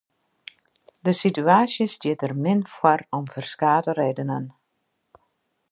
De situaasje stiet der min foar om ferskate redenen.